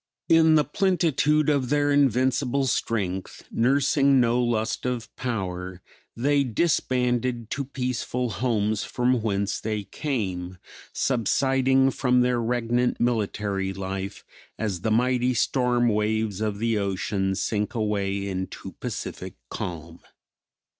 In the plentitude of their invincible strength, nursing no lust of power, they disbanded to peaceful homes from whence they came; subsiding from their regnant military life as the mighty storm waves of the ocean sink away into pacific calm.